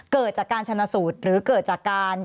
เกิดจากการชนะสูตรหรือเกิดจากการ